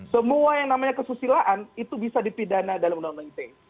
semua yang namanya kesusilaan itu bisa dipidana dalam undang undang ite